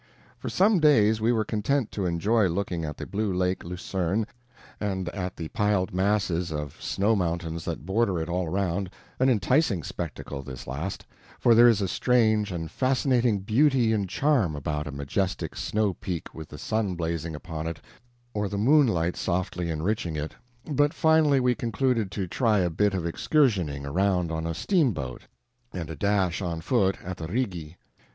For some days we were content to enjoy looking at the blue lake Lucerne and at the piled up masses of snow mountains that border it all around an enticing spectacle, this last, for there is a strange and fascinating beauty and charm about a majestic snow peak with the sun blazing upon it or the moonlight softly enriching it but finally we concluded to try a bit of excursioning around on a steamboat, and a dash on foot at the Rigi.